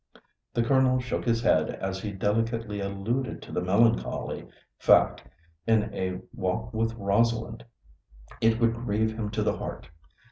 The Colonel shook his head as he delicately alluded to the melancholy fact in a walk with Rosalind. It would grieve him to the heart.